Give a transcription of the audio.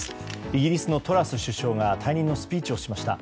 イギリスのトラス首相が退任のスピーチをしました。